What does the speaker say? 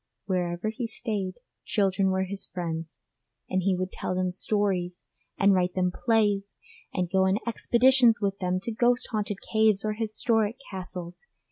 Wherever he stayed, children were his friends, and he would tell them stories and write them plays and go on expeditions with them to ghost haunted caves or historic castles.